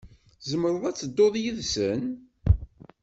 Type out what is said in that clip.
Tzemreḍ ad tedduḍ yid-sen.